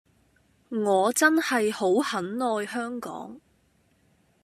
我真係好很愛香港